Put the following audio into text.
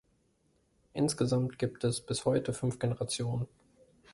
Insgesamt gibt es bis heute fünf Generationen.